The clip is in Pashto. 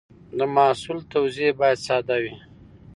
د محصول توضیح باید ساده وي.